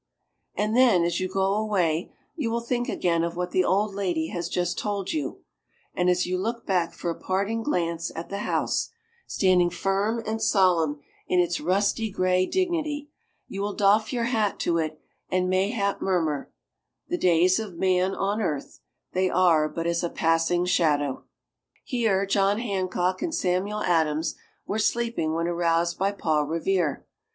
And then as you go away you will think again of what the old lady has just told you, and as you look back for a parting glance at the house, standing firm and solemn in its rusty gray dignity, you will doff your hat to it, and mayhap murmur: The days of man on earth they are but as a passing shadow! "Here John Hancock and Samuel Adams were sleeping when aroused by Paul Revere!"